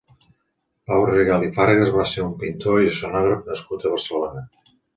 Pau Rigalt i Fargas va ser un pintor i escenògraf nascut a Barcelona.